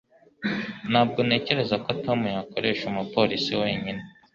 Ntabwo ntekereza ko Tom yakoresha umupolisi wenyine.